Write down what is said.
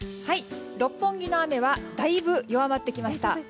六本木の雨はだいぶ弱まってきました。